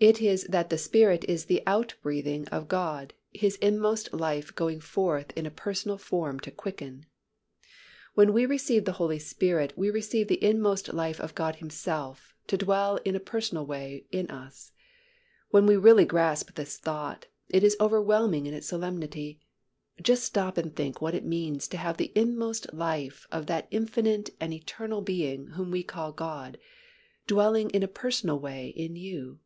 It is that the Spirit is the outbreathing of God, His inmost life going forth in a personal form to quicken. When we receive the Holy Spirit, we receive the inmost life of God Himself to dwell in a personal way in us. When we really grasp this thought, it is overwhelming in its solemnity. Just stop and think what it means to have the inmost life of that infinite and eternal Being whom we call God, dwelling in a personal way in you.